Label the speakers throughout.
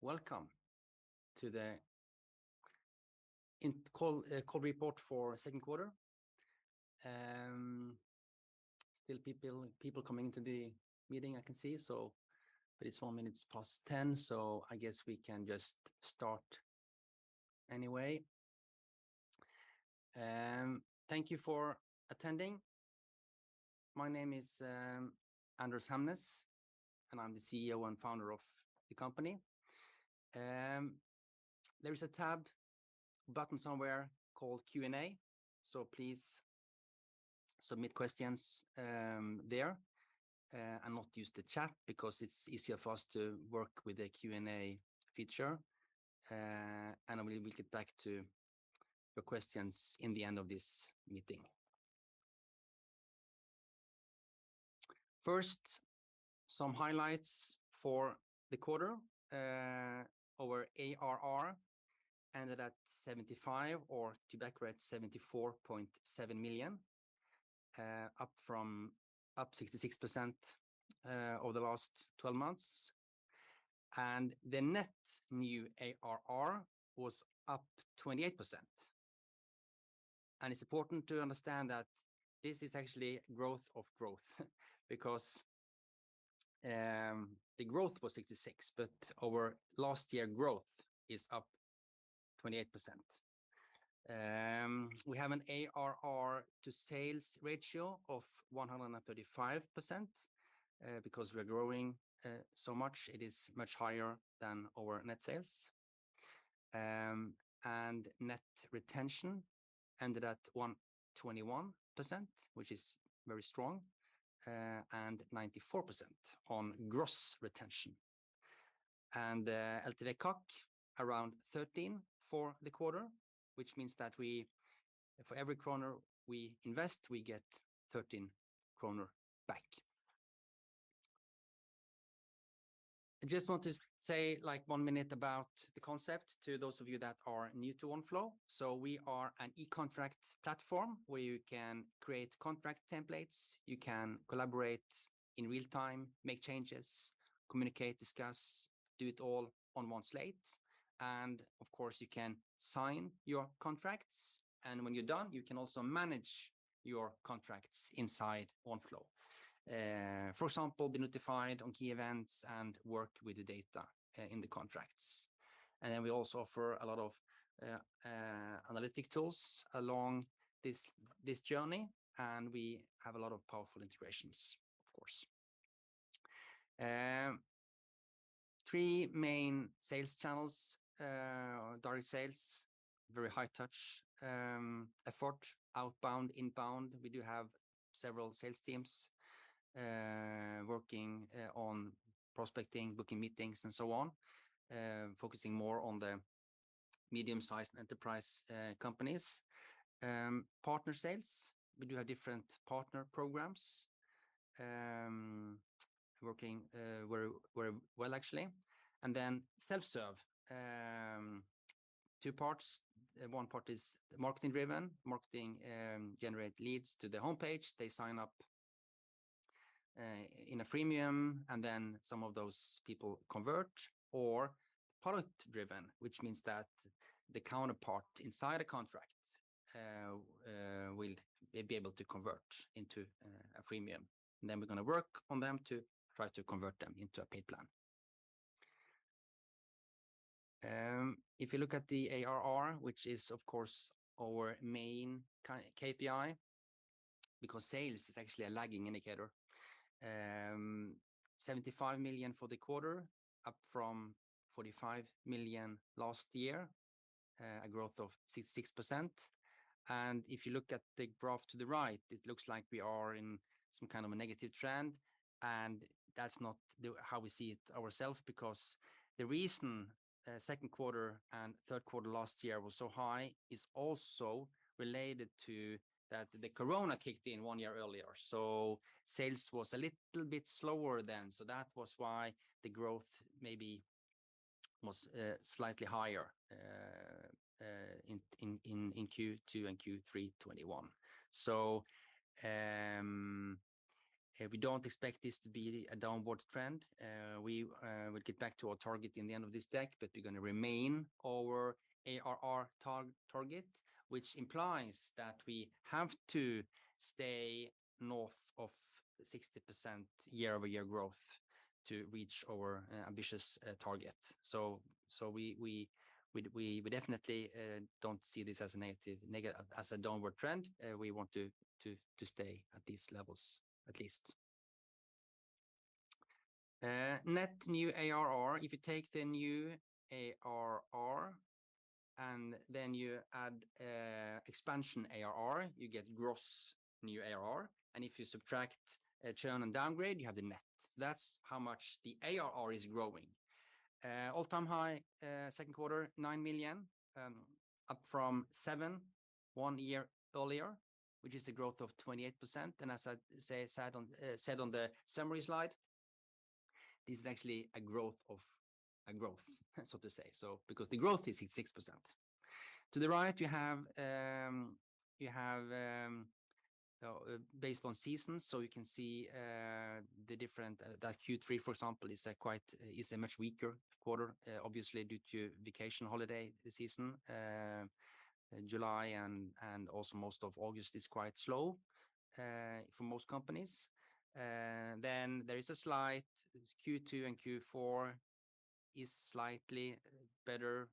Speaker 1: Welcome to the Oneflow call report for second quarter. Still people coming into the meeting I can see, but it's 10:04 A.M., so I guess we can just start anyway. Thank you for attending. My name is Anders Hamnes, and I'm the CEO and founder of the company. There is a tab button somewhere called Q&A, so please submit questions there and not use the chat because it's easier for us to work with the Q&A feature. We'll get back to the questions in the end of this meeting. First, some highlights for the quarter. Our ARR ended at 75 million or, to be accurate, SEK 74.7 million, up 66% over the last 12 months. The net new ARR was up 28%. It's important to understand that this is actually growth of growth because the growth was 66, but our last year growth is up 28%. We have an ARR to sales ratio of 135%, because we are growing so much, it is much higher than our net sales. Net retention ended at 121%, which is very strong, and 94% on gross retention. LTV:CAC around 13 for the quarter, which means that we, for every krona we invest, we get 13 kronor back. I just want to say like one minute about the concept to those of you that are new to Oneflow. We are an eContract platform where you can create contract templates, you can collaborate in real time, make changes, communicate, discuss, do it all in one place. Of course, you can sign your contracts and when you're done, you can also manage your contracts inside Oneflow. For example, be notified on key events and work with the data in the contracts. We also offer a lot of analytics tools along this journey, and we have a lot of powerful integrations, of course. Three main sales channels. Direct sales, very high touch effort, outbound, inbound. We do have several sales teams working on prospecting, booking meetings, and so on, focusing more on the medium-sized enterprise companies. Partner sales. We do have different partner programs working very well actually. Self-serve. Two parts. One part is marketing driven. Marketing generate leads to the homepage. They sign up in a freemium, and then some of those people convert. Or product driven, which means that the counterpart inside a contract will be able to convert into a freemium. Then we're gonna work on them to try to convert them into a paid plan. If you look at the ARR, which is of course our main KPI, because sales is actually a lagging indicator. 75 million for the quarter, up from 45 million last year, a growth of 66%. If you look at the graph to the right, it looks like we are in some kind of a negative trend, and that's not how we see it ourselves because the reason second quarter and third quarter last year was so high is also related to that the corona kicked in one year earlier. Sales was a little bit slower than, so that was why the growth maybe was slightly higher in Q2 and Q3 2021. We don't expect this to be a downward trend. We will get back to our target in the end of this deck, but we're gonna remain our ARR target, which implies that we have to stay north of 60% year-over-year growth to reach our ambitious target. We definitely don't see this as a downward trend. We want to stay at these levels at least. Net new ARR, if you take the new ARR and then you add expansion ARR, you get gross new ARR. If you subtract churn and downgrade, you have the net. That's how much the ARR is growing. All-time high second quarter, 9 million, up from 7 million one year earlier, which is a growth of 28%. As I said on the summary slide, this is actually a growth of a growth, so to say, so because the growth is 66%. To the right, you have based on seasonality, so you can see the different that Q3, for example, is a quite much weaker quarter, obviously due to vacation holiday season. July and also most of August is quite slow for most companies. Then there is a slight. Q2 and Q4 is slightly better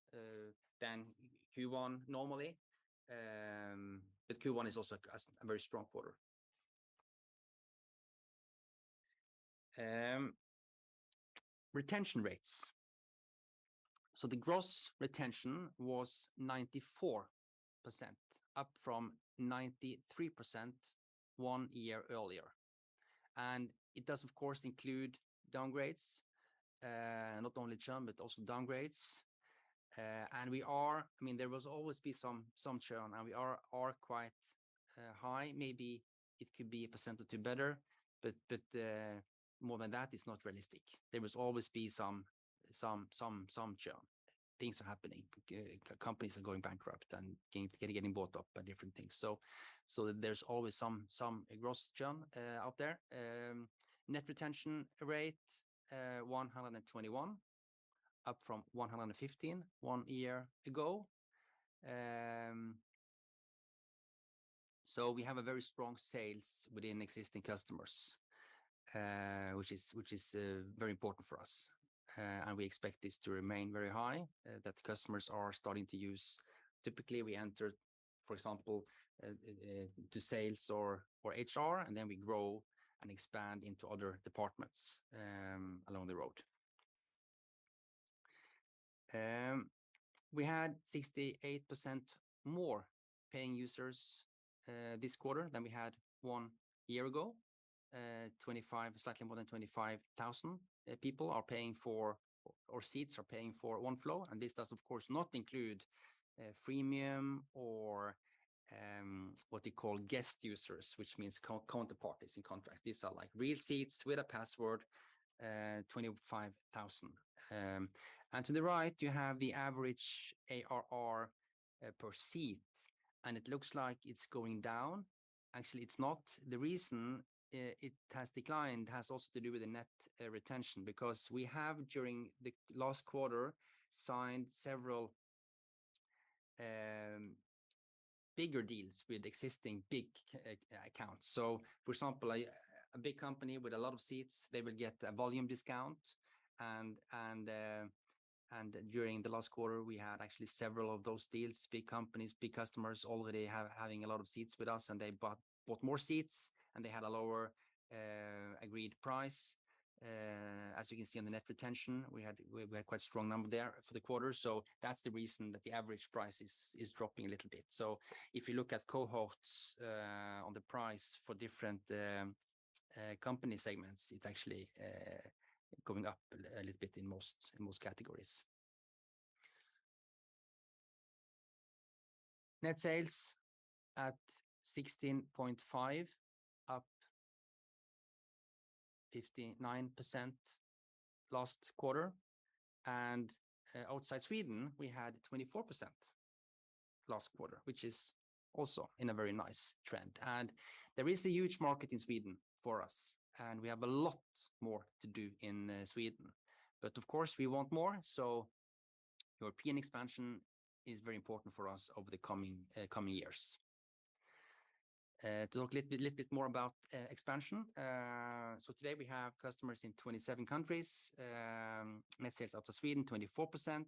Speaker 1: than Q1 normally. Q1 is also a very strong quarter. Retention rates. The Gross Retention was 94%, up from 93% one year earlier. It does, of course, include downgrades. Not only churn, but also downgrades. I mean, there will always be some churn, and we are quite high. Maybe it could be a percent or two better, but more than that is not realistic. There will always be some churn. Things are happening. Companies are going bankrupt and getting bought up and different things. So there's always some gross churn out there. Net Retention rate 121, up from 115 one year ago. We have a very strong sales within existing customers, which is very important for us. We expect this to remain very high that customers are starting to use. Typically, we enter, for example, to sales or HR, and then we grow and expand into other departments along the road. We had 68% more paying users this quarter than we had one year ago. Slightly more than 25,000 seats are paying for Oneflow. This does, of course, not include freemium or what they call guest users, which means co-counterparties in contracts. These are like real seats with a password, 25,000. To the right, you have the average ARR per seat, and it looks like it's going down. Actually, it's not. The reason it has declined has also to do with the Net Retention, because we have, during the last quarter, signed several bigger deals with existing big accounts. For example, a big company with a lot of seats, they will get a volume discount. During the last quarter, we had actually several of those deals, big companies, big customers already having a lot of seats with us, and they bought more seats, and they had a lower agreed price. As you can see on the Net Retention, we had quite strong number there for the quarter. That's the reason that the average price is dropping a little bit. If you look at cohorts on the price for different company segments, it's actually going up a little bit in most categories. Net sales at 16.5, up 59% last quarter. Outside Sweden, we had 24% last quarter, which is also in a very nice trend. There is a huge market in Sweden for us, and we have a lot more to do in Sweden. Of course, we want more, so European expansion is very important for us over the coming years. To talk a little bit more about expansion. Today we have customers in 27 countries. Net sales out of Sweden, 24%.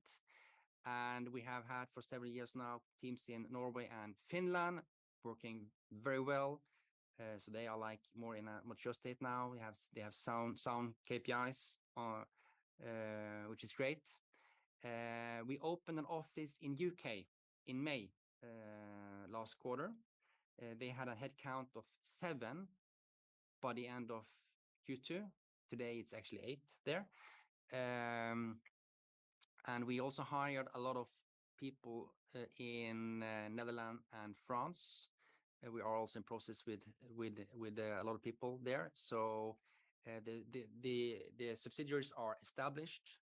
Speaker 1: We have had for several years now, teams in Norway and Finland working very well. They are like more in a mature state now. They have sound KPIs, which is great. We opened an office in U.K. in May last quarter. They had a headcount of seven by the end of Q2. Today, it's actually eight there. We also hired a lot of people in Netherlands and France. We are also in process with a lot of people there. The subsidiaries are established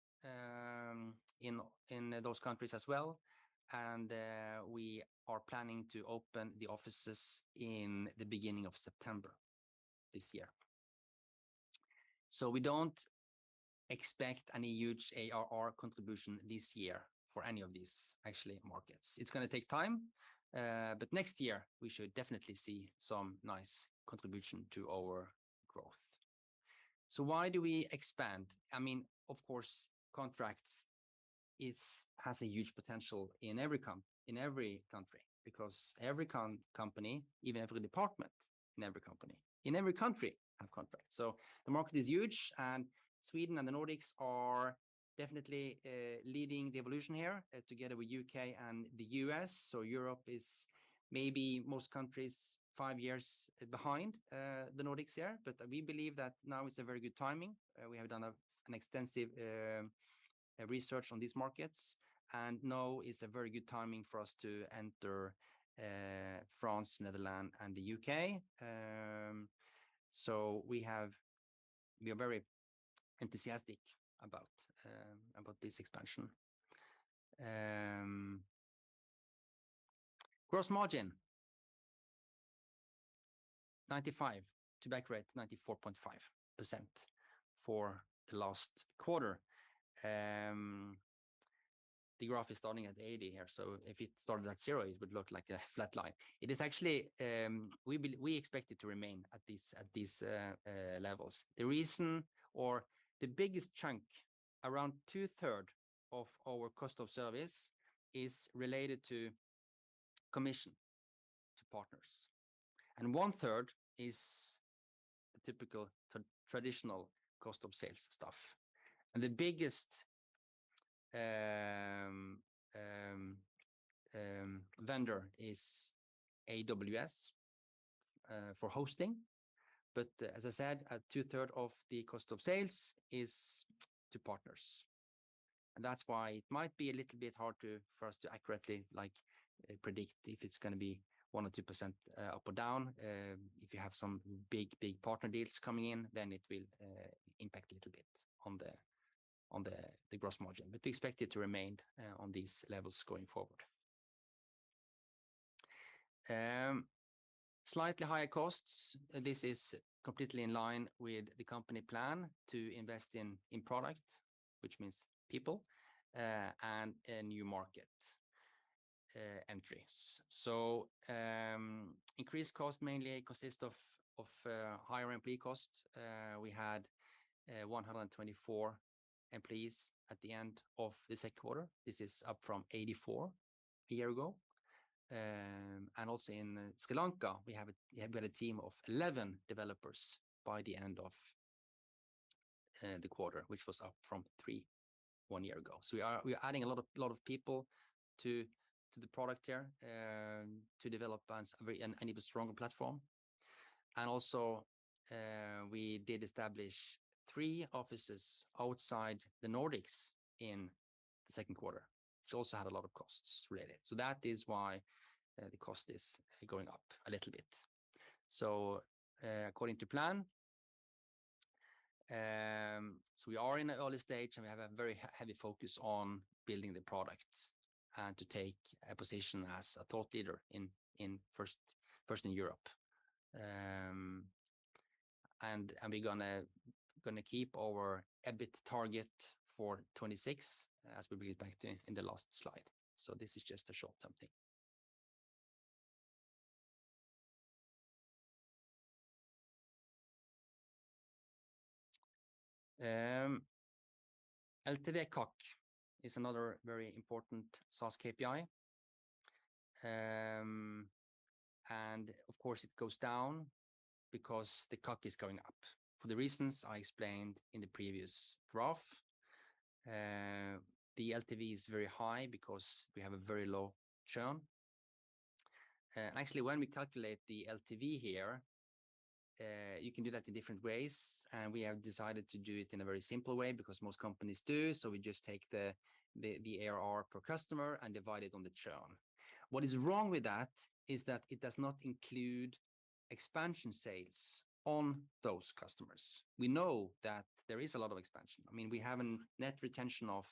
Speaker 1: in those countries as well. We are planning to open the offices in the beginning of September this year. We don't expect any huge ARR contribution this year for any of these actual markets. It's gonna take time, but next year we should definitely see some nice contribution to our growth. Why do we expand? I mean, of course, contracts has a huge potential in every country because every company, even every department in every company, in every country have contracts. The market is huge, and Sweden and the Nordics are definitely leading the evolution here together with U.K. and the U.S. Europe is maybe most countries five years behind the Nordics here. We believe that now is a very good timing. We have done an extensive research on these markets, and now is a very good timing for us to enter France, Netherlands, and the U.K. We are very enthusiastic about this expansion. Gross margin 95%. Net Retention rate 94.5% for the last quarter. The graph is starting at 80 here, so if it started at zero, it would look like a flat line. It is actually. We expect it to remain at this levels. The reason or the biggest chunk, around 2/3 of our cost of sales is related to commission to partners, and 1/3 is typical traditional cost of sales stuff. The biggest vendor is AWS for hosting. As I said, 2/3 of the cost of sales is to partners. That's why it might be a little bit hard for us to accurately, like, predict if it's gonna be 1% or 2% up or down. If you have some big partner deals coming in, then it will impact a little bit on the gross margin. We expect it to remain on these levels going forward. Slightly higher costs. This is completely in line with the company plan to invest in product, which means people and in new market entries. Increased cost mainly consist of higher employee costs. We had 124 employees at the end of the second quarter. This is up from 84 a year ago. Also in Sri Lanka, we have a team of 11 developers by the end of the quarter, which was up from 3 one year ago. We are adding a lot of people to the product here to develop an even stronger platform. We did establish three offices outside the Nordics in the second quarter, which also had a lot of costs related. That is why the cost is going up a little bit. According to plan, we are in the early stage, and we have a very heavy focus on building the product and to take a position as a thought leader first in Europe. We're gonna keep our EBIT target for 2026 as we went back to in the last slide. This is just a short something. LTV/CAC is another very important SaaS KPI. Of course, it goes down because the CAC is going up for the reasons I explained in the previous graph. The LTV is very high because we have a very low churn. Actually, when we calculate the LTV here, you can do that in different ways, and we have decided to do it in a very simple way because most companies do. We just take the ARR per customer and divide it by the churn. What is wrong with that is that it does not include expansion sales to those customers. We know that there is a lot of expansion. I mean, we have a net retention of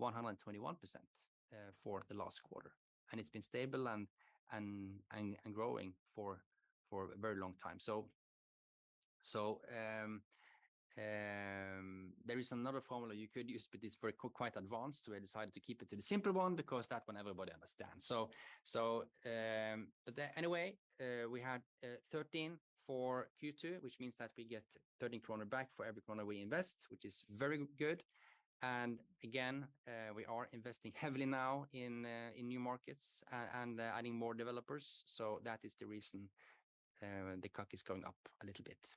Speaker 1: 121% for the last quarter, and it's been stable and growing for a very long time. There is another formula you could use, but it's quite advanced. I decided to keep it to the simple one because that one everybody understands. Anyway, we had 13 for Q2, which means that we get 13 kronor back for every SEK we invest, which is very good. Again, we are investing heavily now in new markets and adding more developers. That is the reason the CAC is going up a little bit.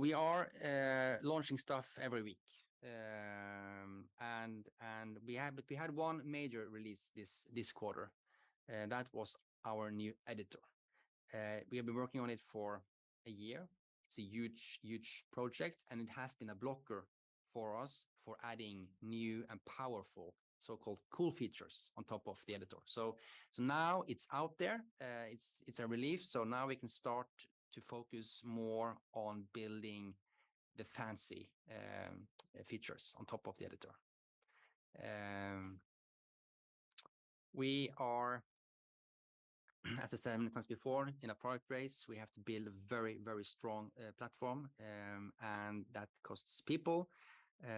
Speaker 1: We are launching stuff every week. We had one major release this quarter, that was our new editor. We have been working on it for a year. It's a huge project, and it has been a blocker for us for adding new and powerful, so-called cool features on top of the editor. Now it's out there. It's a relief. Now we can start to focus more on building the fancy features on top of the editor. We are, as I said many times before, in a product race. We have to build a very strong platform, and that costs people. We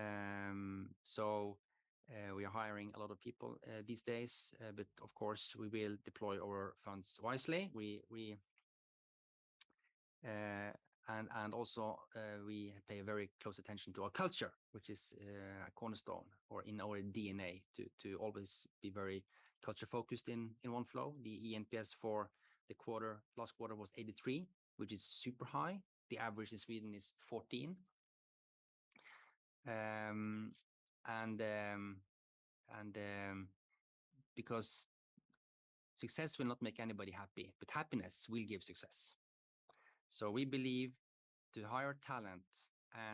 Speaker 1: are hiring a lot of people these days. Of course, we will deploy our funds wisely. We also pay very close attention to our culture, which is a cornerstone or in our DNA to always be very culture-focused in Oneflow. The eNPS for the quarter, last quarter was 83, which is super high. The average in Sweden is 14. Because success will not make anybody happy, but happiness will give success. We believe to hire talent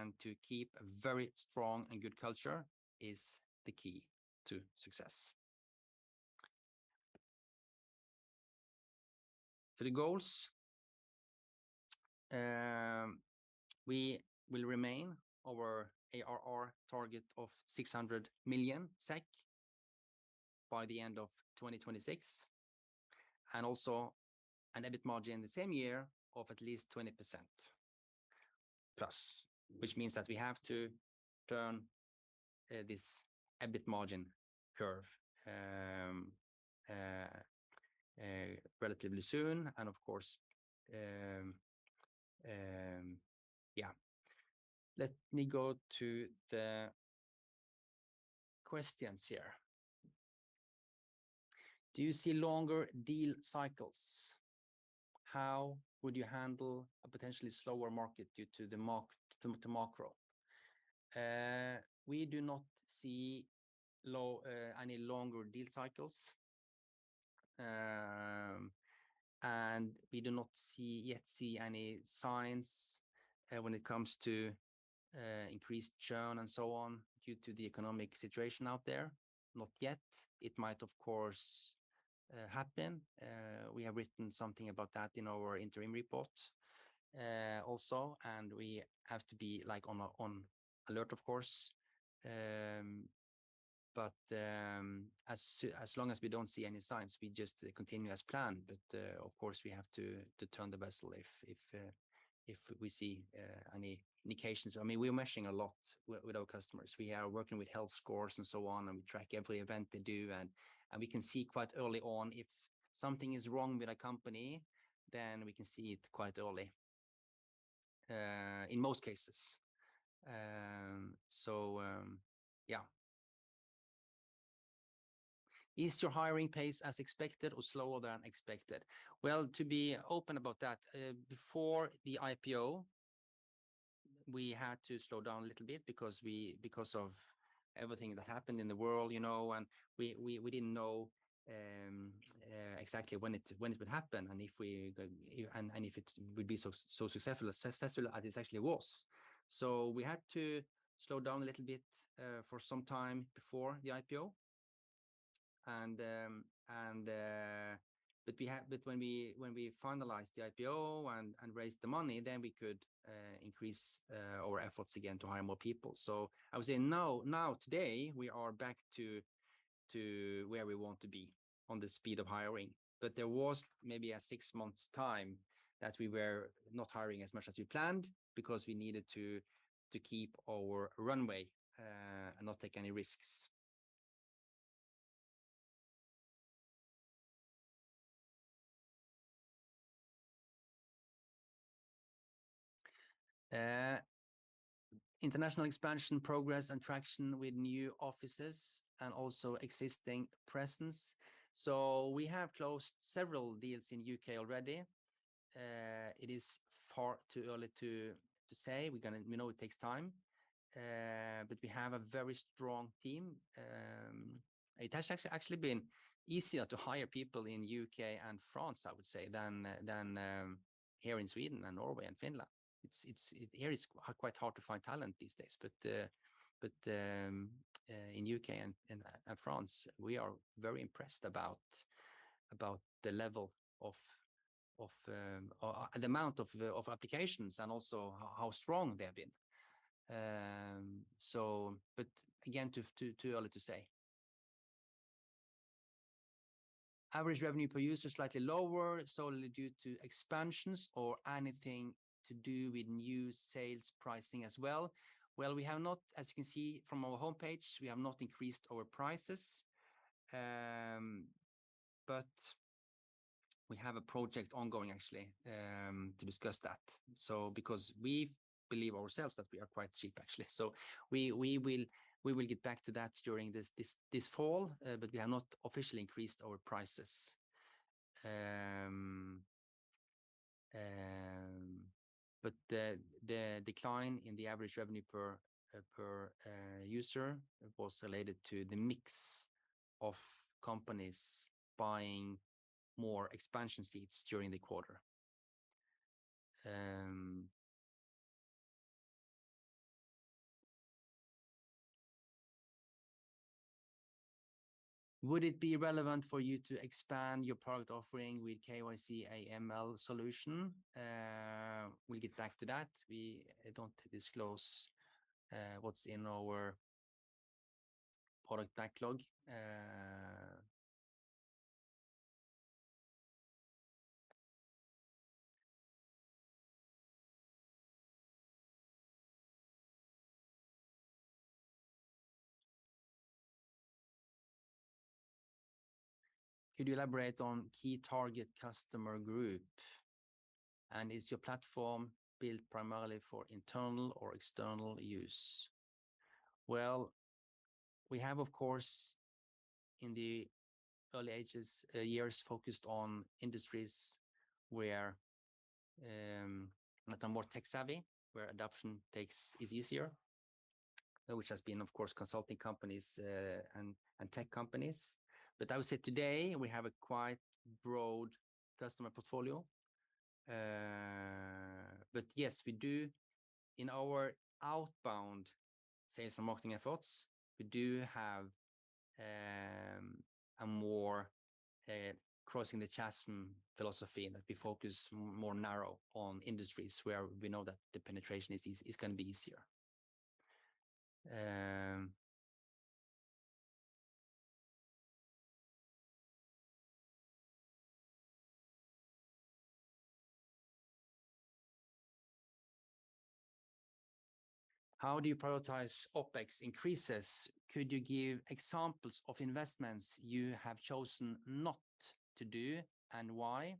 Speaker 1: and to keep a very strong and good culture is the key to success. To the goals. We will remain our ARR target of 600 million SEK by the end of 2026, and also an EBIT margin the same year of at least 20%+, which means that we have to turn this EBIT margin curve relatively soon. Of course. Yeah. Let me go to the questions here. Do you see longer deal cycles? How would you handle a potentially slower market due to the macro? We do not see any longer deal cycles, and we do not see yet any signs when it comes to increased churn and so on due to the economic situation out there. Not yet. It might, of course, happen. We have written something about that in our interim report, also, and we have to be, like, on alert, of course. As long as we don't see any signs, we just continue as planned. Of course, we have to turn the vessel if we see any indications. I mean, we are meshing a lot with our customers. We are working with health scores and so on, and we track every event they do, and we can see quite early on if something is wrong with a company, then we can see it quite early in most cases. Yeah. Is your hiring pace as expected or slower than expected? Well, to be open about that, before the IPO, we had to slow down a little bit because of everything that happened in the world, you know. We didn't know exactly when it would happen and if it would be so successful as it actually was. We had to slow down a little bit for some time before the IPO. When we finalized the IPO and raised the money, we could increase our efforts again to hire more people. I would say now, today, we are back to where we want to be on the speed of hiring. There was maybe a six months' time that we were not hiring as much as we planned because we needed to keep our runway and not take any risks. International expansion progress and traction with new offices and also existing presence. We have closed several deals in U.K. already. It is far too early to say. We know it takes time, but we have a very strong team. It has actually been easier to hire people in U.K. and France, I would say, than here in Sweden and Norway and Finland. It is quite hard to find talent these days. But in U.K. and France, we are very impressed about the level of or the amount of applications and also how strong they have been. Again, too early to say. Average revenue per user slightly lower, solely due to expansions or anything to do with new sales pricing as well? Well, we have not, as you can see from our homepage, we have not increased our prices. We have a project ongoing actually to discuss that. Because we believe ourselves that we are quite cheap actually. We will get back to that during this fall. We have not officially increased our prices. The decline in the average revenue per user was related to the mix of companies buying more expansion seats during the quarter. Would it be relevant for you to expand your product offering with KYC/AML solution? We'll get back to that. We don't disclose what's in our product backlog. Could you elaborate on key target customer group? Is your platform built primarily for internal or external use? Well, we have, of course, in the early years focused on industries where that are more tech-savvy, where adoption is easier, which has been of course consulting companies and tech companies. I would say today we have a quite broad customer portfolio. Yes, we do in our outbound sales and marketing efforts, we do have a more Crossing the Chasm philosophy and that we focus more narrow on industries where we know that the penetration is gonna be easier. How do you prioritize OpEx increases? Could you give examples of investments you have chosen not to do, and why?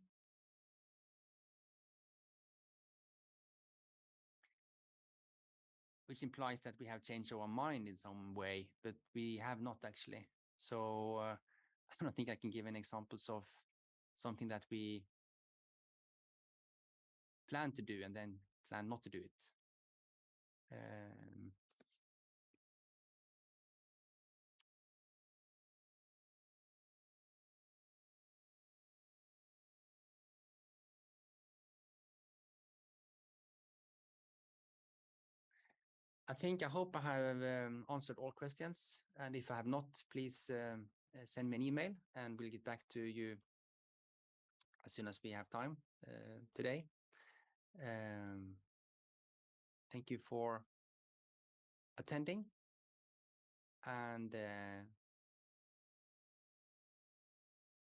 Speaker 1: Which implies that we have changed our mind in some way, but we have not actually. I don't think I can give any examples of something that we plan to do and then plan not to do it. I think, I hope I have answered all questions, and if I have not, please send me an email, and we'll get back to you as soon as we have time today. Thank you for attending and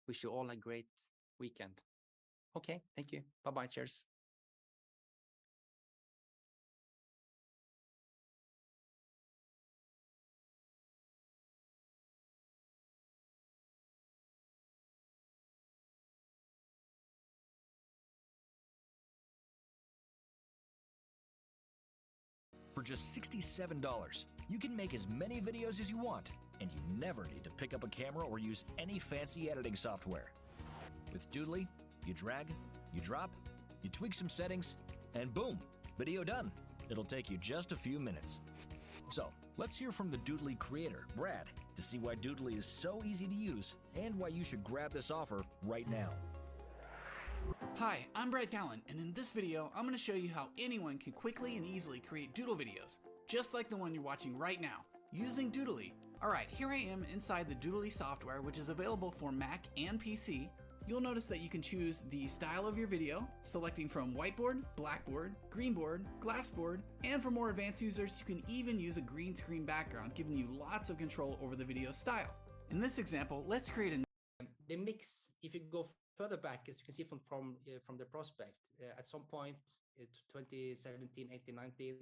Speaker 1: wish you all a great weekend. Okay. Thank you. Bye-bye. Cheers.
Speaker 2: For just $67, you can make as many videos as you want, and you never need to pick up a camera or use any fancy editing software. With Doodly, you drag, you drop, you tweak some settings, and boom, video done. It'll take you just a few minutes. Let's hear from the Doodly creator, Brad, to see why Doodly is so easy to use and why you should grab this offer right now.
Speaker 3: Hi, I'm Brad Callen, and in this video, I'm gonna show you how anyone can quickly and easily create doodle videos just like the one you're watching right now using Doodly. All right. Here I am inside the Doodly software, which is available for Mac and PC. You'll notice that you can choose the style of your video, selecting from whiteboard, blackboard, green board, glass board, and for more advanced users, you can even use a green screen background, giving you lots of control over the video style. In this example, let's create a new.
Speaker 1: The mix, if you go further back, as you can see from the prospectus at some point in 2017, 2018, 2019.